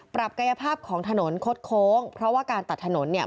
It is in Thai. กายภาพของถนนคดโค้งเพราะว่าการตัดถนนเนี่ย